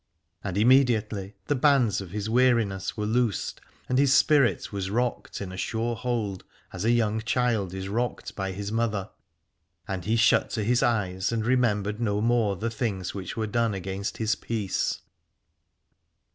And immediately the bands of his weariness were loosed, and his spirit was rocked in a sure hold as a young child is rocked by his mother : and he shut to his eyes and remembered no more the things which were done against his peace.